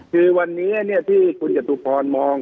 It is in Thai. คือวันนี้ที่คุณจตุพรมอง